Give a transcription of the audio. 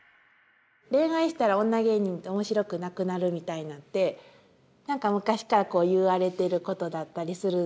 恋愛したら女芸人って面白くなくなるみたいのって何か昔から言われてることだったりすると思うんですけど。